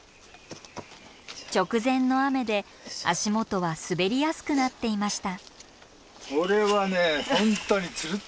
直前の雨で足元は滑りやすくなっていました。